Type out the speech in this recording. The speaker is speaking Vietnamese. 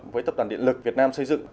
với tập đoàn điện lực việt nam xây dựng